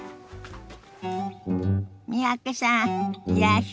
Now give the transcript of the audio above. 三宅さんいらっしゃい。